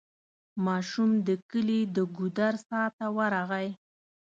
ماشوم د کلي د ګودر څا ته ورغی.